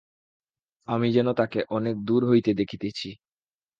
আমি যেন তাকে অনেক দুর হইতে দেখিতেছি।